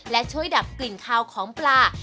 และช่วยดับกลิ่นคาวของปลา